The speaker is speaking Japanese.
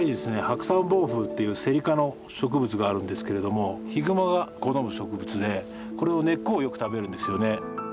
ハクサンボウフウっていうセリ科の植物があるんですけれどもヒグマが好む植物でこれの根っこをよく食べるんですよね。